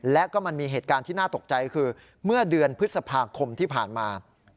และก็มันมีเหตุการณ์ที่น่าตกใจคือเมื่อเดือนพฤษภาคมที่ผ่านมา